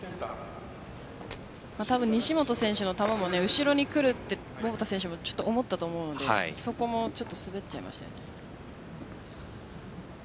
多分、西本選手の球も後ろに来ると桃田選手も思ったと思うのでそこも滑っちゃいましたね。